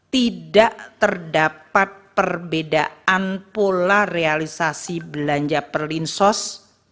tidak terdapat perbedaan pola realisasi belanja perlinsos